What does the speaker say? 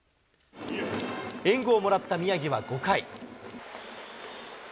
援護をもらった宮城は５回。